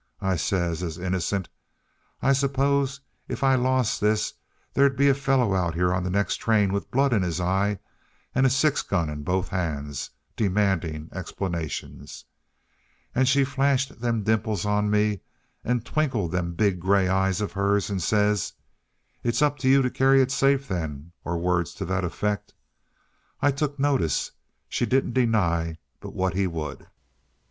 I says, as innocent: 'I s'pose, if I lost this, there'd be a fellow out on the next train with blood in his eye and a six gun in both hands, demanding explanations' and she flashed them dimples on me and twinkled them big, gray eyes of hers, and says: 'It's up to you to carry it safe, then,' or words to that effect. I took notice she didn't deny but what he would."